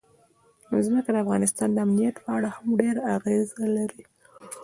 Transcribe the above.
ځمکه د افغانستان د امنیت په اړه هم ډېر اغېز لري.